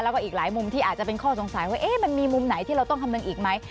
แล้วก็อีกหลายมุมที่อาจจะเป็นข้อสงสัยว่ามันมีมุมไหนที่เราต้องคำนึงอีกไหม